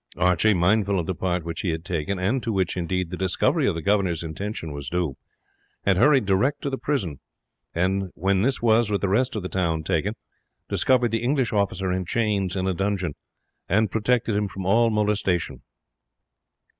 Archie, mindful of the part which he had taken, and to which, indeed, the discovery of the governor's intention was due, had hurried direct to the prison, and when this was, with the rest of the town, taken, discovered the English officer in chains in a dungeon, and protected him from all molestation.